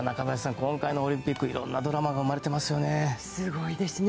今回のオリンピックいろんなドラマが生まれてますね。